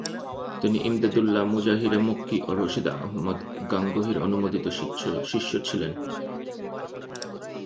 তিনি ইমদাদুল্লাহ মুহাজিরে মক্কি ও রশিদ আহমদ গাঙ্গুহির অনুমোদিত শিষ্য ছিলেন।